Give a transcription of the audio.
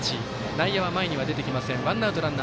内野は前には出てきません。